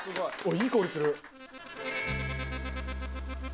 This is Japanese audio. いい香りする！